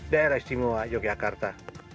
daerah istimewa yogyakarta